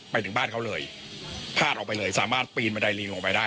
ไปถึงบ้านเขาเลยพาดออกไปเลยสามารถปีนบันไดลิงออกไปได้